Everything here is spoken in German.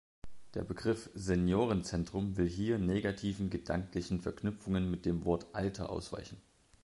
Der Begriff "Seniorenzentrum" will hier negativen gedanklichen Verknüpfungen mit dem Wort „Alter“ ausweichen.